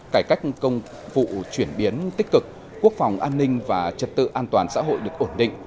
cải cách công vụ chuyển biến tích cực quốc phòng an ninh và trật tự an toàn xã hội được ổn định